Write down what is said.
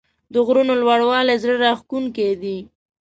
د غرونو لوړوالی زړه راښکونکی دی.